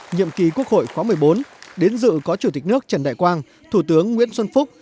nhiệm kỳ quốc hội khóa một mươi bốn đến dự có chủ tịch nước trần đại quang thủ tướng nguyễn xuân phúc